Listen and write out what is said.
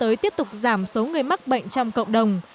tới tiếp tục giảm số người mắc bệnh trong cộng đồng